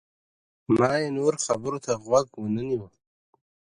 ما یې نورو خبرو ته غوږ ونه نیوه.